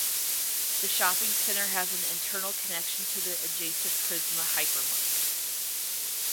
The shopping center has an internal connection to the adjacent Prisma hypermarket.